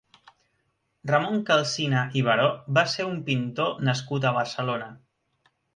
Ramon Calsina i Baró va ser un pintor nascut a Barcelona.